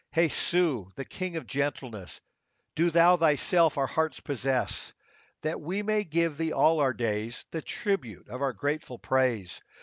Jesu, the King of gentleness, Do Thou Thyself our hearts possess, That we may give Thee, all our days, The tribute of our grateful praise.